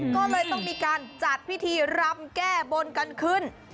ก็เลยต้องมีการจัดพิธีรำแก้บนกันขึ้น